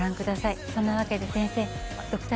そんなわけで先生。